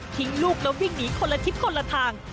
ลูกแล้ววิ่งหนีคนละทิศคนละทาง